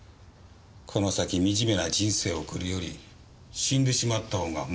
この先惨めな人生を送るより死んでしまった方がまだましだ。